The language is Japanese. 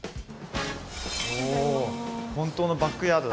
お本当のバックヤードだ。